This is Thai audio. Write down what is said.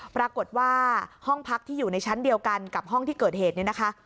ปรากฏว่าห้องพักที่อยู่ในชั้นเดียวกันกับห้องที่เกิดเหตุเนี่ยนะคะ